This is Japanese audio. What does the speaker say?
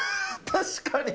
確かに。